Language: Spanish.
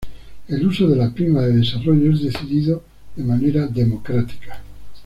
El uso de la prima de desarrollo es decidido de manera democrática.